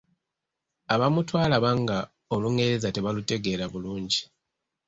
Abamu twalaba nga Olungereza tebalutegeera bulungi.